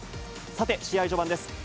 さて、試合序盤です。